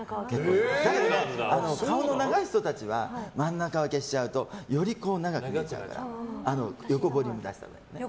だけどね、顔の長い人たちは真ん中分けしちゃうとより長く見えちゃうから横にボリューム出したほうがいい。